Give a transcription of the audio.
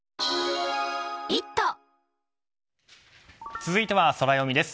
続いてはソラよみです。